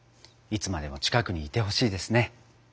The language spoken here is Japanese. いつまでも近くにいてほしいですね。